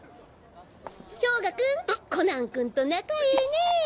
兵我君コナン君と仲ええね。